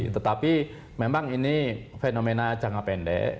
tetapi memang ini fenomena jangka pendek